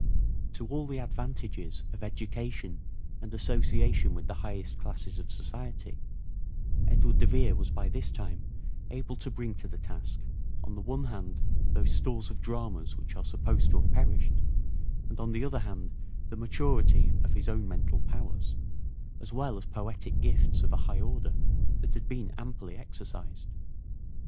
To all the advantages of education and association with the highest classes of society, 380 " SHAKESPEARE " IDENTIFIED Edward de Vere was by this time able to bring to the task, on the one hand these stores of dramas which are supposed to have perished, and on the other hand the maturity of his own mental powers, as well as poetic gifts of a high order that had been amply exercised.